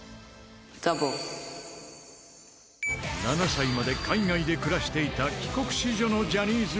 ７歳まで海外で暮らしていた帰国子女のジャニーズＪｒ．Ｇｏ！